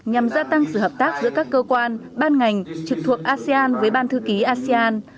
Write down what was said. nhằm gia tăng sự hợp tác giữa các cơ quan ban ngành trực thuộc asean với ban thư ký asean